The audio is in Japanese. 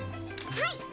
はい！